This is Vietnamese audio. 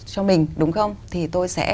cho mình đúng không thì tôi sẽ